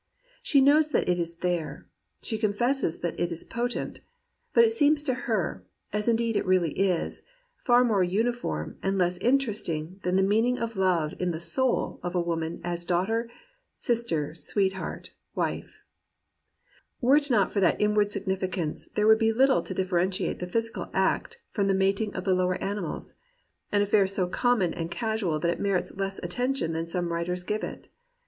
She knows that it is there; she con fesses that it is potent. But it seems to her, (as in deed it really is,) far more uniform and less inter esting than the meaning of love in the soul of a woman as daughter, sister, sweetheart, wife. Were it not for that inward significance there would be httle to differentiate the physical act from the mat ing of the lower animals — an affair so common and casual that it merits less attention than some writers give it.